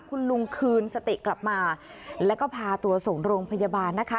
คุณลุงคืนสติกลับมาแล้วก็พาตัวส่งโรงพยาบาลนะคะ